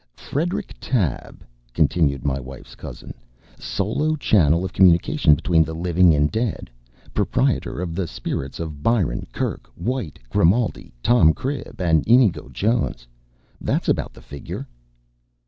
"Frederick Tabb," continued my wife's cousin, "solo channel of communication between the living and dead. Proprietor of the spirits of Byron, Kirke White, Grimaldi, Tom Cribb, and Inigo Jones. That's about the figure!"